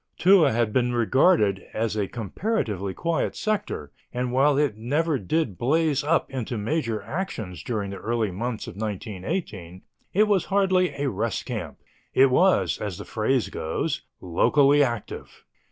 Toul had been regarded as a comparatively quiet sector, and, while it never did blaze up into major actions during the early months of 1918, it was hardly a rest camp. It was, as the phrase goes, "locally active."